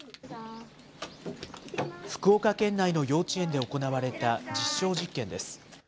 福岡県内の幼稚園で行われた実証実験です。